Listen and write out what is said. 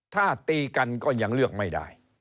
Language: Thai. ถ้าตีกันก็ยังเลือกไม่ได้